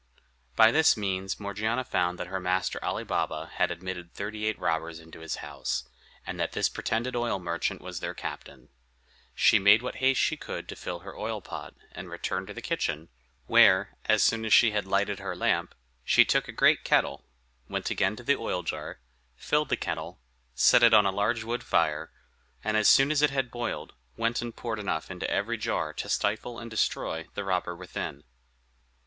By this means Morgiana found that her master Ali Baba had admitted thirty eight robbers into his house, and that this pretended oil merchant was their captain. She made what haste she could to fill her oil pot, and returned into the kitchen, where, as soon as she had lighted her lamp, she took a great kettle, went again to the oil jar, filled the kettle, set it on a large wood fire, and as soon as it boiled, went and poured enough into every jar to stifle and destroy the robber within.